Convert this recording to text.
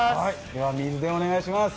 では、お願いします。